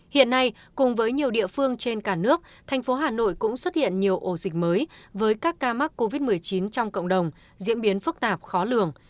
hiện nay cùng với nhiều địa phương trên cả nước thành phố hà nội cũng xuất hiện nhiều ổ dịch mới với các ca mắc covid một mươi chín trong cộng đồng diễn biến phức tạp khó lường